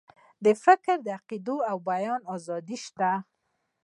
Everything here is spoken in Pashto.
د فکر، عقیدې او بیان آزادي شته.